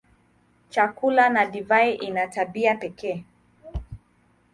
Chakula na divai ina tabia za pekee.